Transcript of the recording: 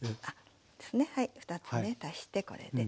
はい２つね足してこれで。